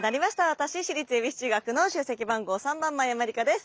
私私立恵比寿中学の出席番号３番真山りかです。